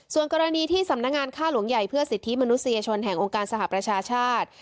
ส่วนกรณีที่สำนักงานฆ่าหลวงใหญ่เพื่อสิทธิมนุษยชนแห่งองค์การสหประชาชาติ